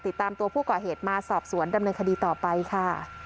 ติดตามตัวผู้ก่อเหตุมาสอบสวนดำเนินคดีต่อไปค่ะ